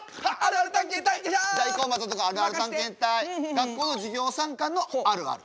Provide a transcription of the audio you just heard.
学校の授業参観のあるある。